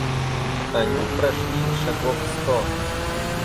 Они прошли шагов сто.